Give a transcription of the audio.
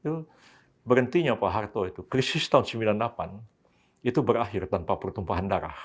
itu berhentinya pak harto itu krisis tahun seribu sembilan ratus sembilan puluh delapan itu berakhir tanpa pertumpahan darah